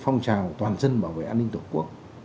phong trào toàn dân bảo vệ an ninh tổ quốc